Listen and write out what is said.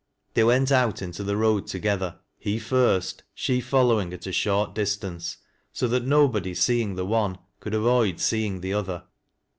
They went :^t into the road together, he first, she fol lowing at a short distance, so that nobody seeing the one eould avoid seeing the other.